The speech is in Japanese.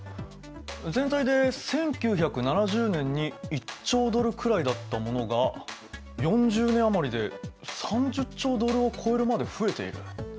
全体で１９７０年に１兆ドルくらいだったものが４０年余りで３０兆ドルを超えるまで増えている。